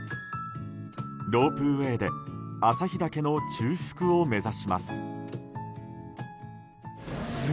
ロープウェーで旭岳の中腹を目指します。